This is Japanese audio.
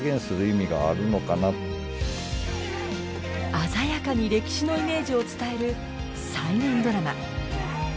鮮やかに歴史のイメージを伝える再現ドラマ。